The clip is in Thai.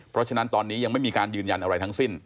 เพราะฉะนั้นตอนนี้ยังไม่มีการยืนยันอะไรทั้งสิ้น